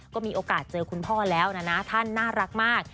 ก็มีโอกาสเจอคุณพ่อแล้วนะท่านน่ารักมาก